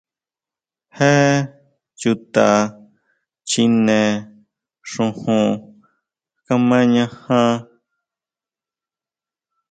¿Jé chuta chjine xujun kamañajan?